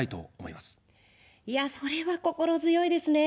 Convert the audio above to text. いやあ、それは心強いですね。